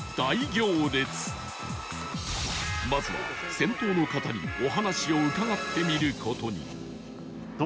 まずは先頭の方にお話を伺ってみる事に